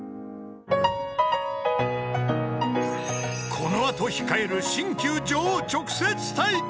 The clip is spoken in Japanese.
［この後控える新旧女王直接対決］